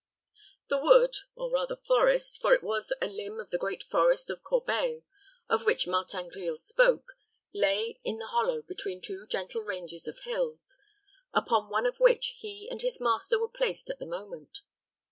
The wood, or rather forest for it was a limb of the great forest of Corbeil of which Martin Grille spoke, lay in the hollow between two gentle ranges of hills, upon one of which he and his master were placed at the moment.